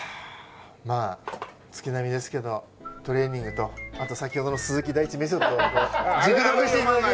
まあ月並みですけどトレーニングとあと先ほどの『鈴木大地メソッド』をこう熟読して頂いて。